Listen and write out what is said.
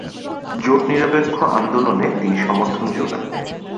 জোট-নিরপেক্ষ আন্দোলনে তিনি সমর্থন যোগান।